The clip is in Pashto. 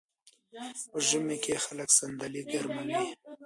په ژمي کې خلک صندلۍ ګرموي.